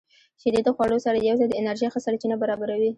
• شیدې د خوړو سره یوځای د انرژۍ ښه سرچینه برابروي.